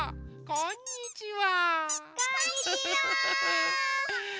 こんにちは。